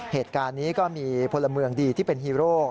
เหตุการณ์นี้ก็มีพลเมืองดีที่เป็นฮีโร่